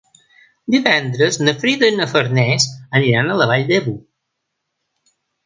Divendres na Frida i na Farners aniran a la Vall d'Ebo.